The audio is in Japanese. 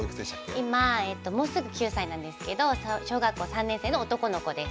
今もうすぐ９歳なんですけど小学校３年生の男の子です。